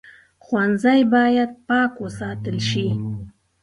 ښوونځی باید پاک وساتل شي